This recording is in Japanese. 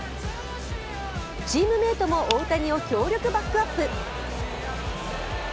チームメートも大谷を強力バックアップ。